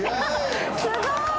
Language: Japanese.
すごい。